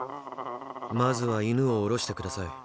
まずは犬をおろしてください。